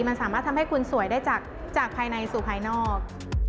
มันสามารถทำให้คุณสวยได้จากภายในสู่ภายนอก